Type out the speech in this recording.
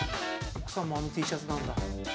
奥さんもあのＴシャツなんだ。